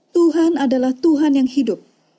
tuhan adalah tuhan yang hidup